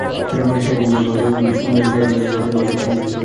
সে এদিক দিয়ে দিয়ে যাচ্ছিল প্যারিসের উদ্দেশ্য।